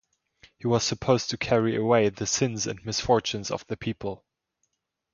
He was supposed to carry away the sins and misfortunes of the people.